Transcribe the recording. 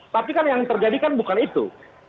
tapi kan yang terjadi kan bukan itu